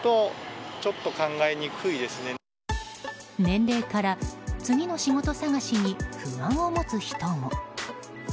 年齢から次の仕事探しに不安を持つ人も。